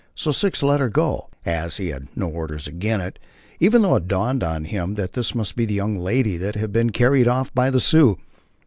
So Six let her go, as he "had no orders agin it" (even though it dawned upon him that this must be the young lady that had been carried off by the Sioux).